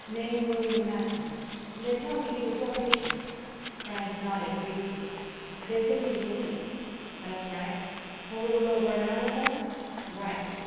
Name, William Matson. They tell me he was your patient." Frank nodded briefly. "They say he was released." "That's right." "A little over an hour ago." "Right."